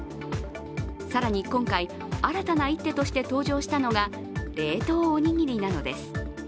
更に今回、新たな一手として登場したのが冷凍おにぎりなのです。